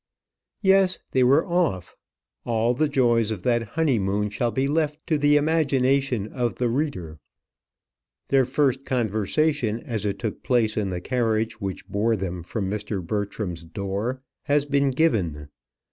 Yes, they were off. All the joys of that honeymoon shall be left to the imagination of the reader. Their first conversation, as it took place in the carriage which bore them from Mr. Bertram's door, has been given.